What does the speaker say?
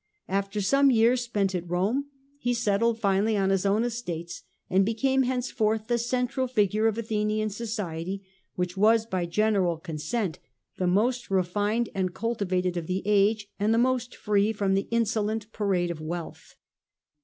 After some years spent at Rome, he settled finally on his own estates, and became henceforth the central figure of Athenian society, which was by general consent the most refined and cultivated of the age, and the most free from the insolent parade of wealth.